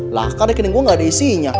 lah karekening gue gak ada isinya